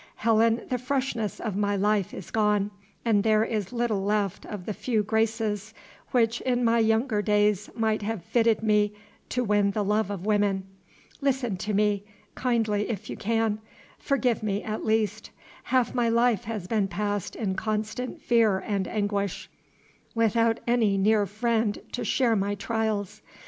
Helen, the freshness of my life is gone, and there is little left of the few graces which in my younger days might have fitted me to win the love of women. Listen to me, kindly, if you can; forgive me, at least. Half my life has been passed in constant fear and anguish, without any near friend to share my trials.